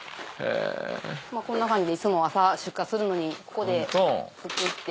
こんな感じでいつも朝出荷するのにここでつくって。